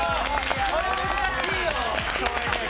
これ難しいよ。